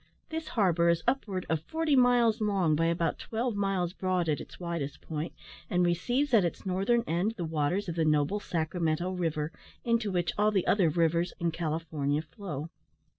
This harbour is upwards of forty miles long, by about twelve miles broad at its widest point, and receives at its northern end the waters of the noble Sacramento river, into which all the other rivers in California flow.